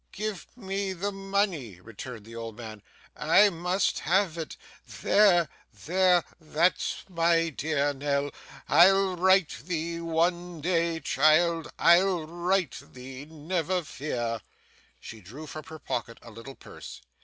'Give me the money,' returned the old man, 'I must have it. There there that's my dear Nell. I'll right thee one day, child, I'll right thee, never fear!' She took from her pocket a little purse.